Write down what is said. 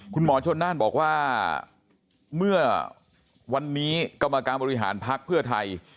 คุณหมอชนน่านบอกว่าเมื่อวันนี้กรรมการบริหารพักเพื่อไทย